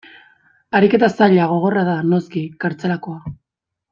Ariketa zaila, gogorra da, noski, kartzelakoa.